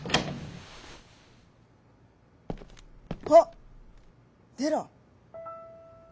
「あっデラ」。